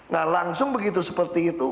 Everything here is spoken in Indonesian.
nah langsung begitu seperti itu